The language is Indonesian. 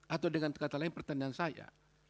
atau dengan kata lain pertanyaan saya